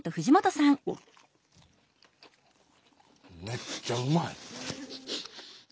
めっちゃうまい。